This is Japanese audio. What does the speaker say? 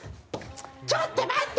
ちょっと待って！